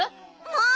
もう！